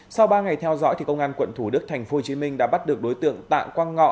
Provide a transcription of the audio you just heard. sau ba ngày theo dõi công an quận thủ đức tp hcm đã bắt được đối tượng tạ quang ngọ